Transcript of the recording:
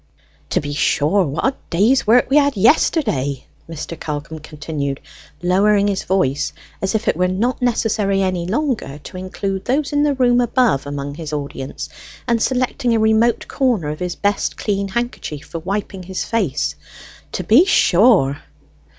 "To be sure, what a day's work we had yesterday!" Mr. Callcome continued, lowering his voice as if it were not necessary any longer to include those in the room above among his audience, and selecting a remote corner of his best clean handkerchief for wiping his face. "To be sure!"